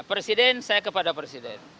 presiden saya kepada presiden